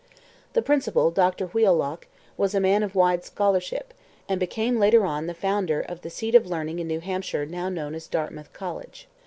The principal, Dr Wheelock, was a man of wide scholarship, and became later on the founder of the seat of learning in New Hampshire now known as Dartmouth College.